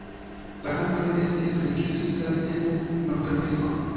Vagantoj estis registritaj en Nordameriko.